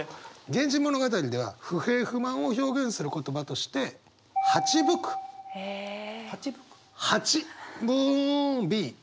「源氏物語」では不平不満を表現する言葉として「蜂吹く」蜂ブンビーン。